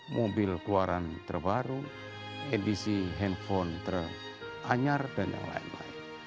mobil keluaran terbaru edisi handphone anyar dan yang lain lain